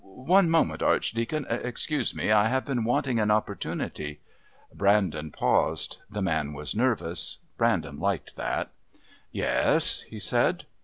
"One moment, Archdeacon.... Excuse me.... I have been wanting an opportunity...." Brandon paused. The man was nervous. Brandon liked that. "Yes?" he said.